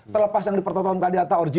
terlepas yang dipertonton tadi